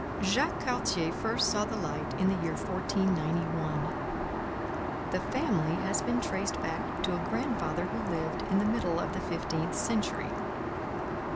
Jacques Cartier first saw the light in the year 1491. The family has been traced back to a grandfather who lived in the middle of the fifteenth century.